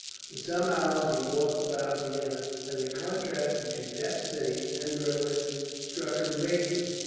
For some hours he walked about Vienna, and the contrast between that city and Berlin struck him greatly.